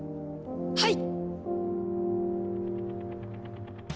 はい！